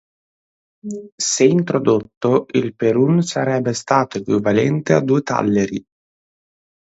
Se introdotto, il perun sarebbe stato equivalente a due talleri.